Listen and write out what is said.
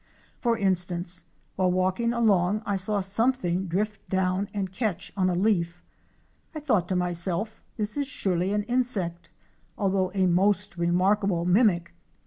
For instance, while walking along I saw something drift down and catch on a leaf. I thought to myself, this is surely an insect, although a most remarkable mimic.